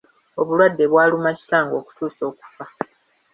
Obulwadde bwaluma kitange okutuusa okufa.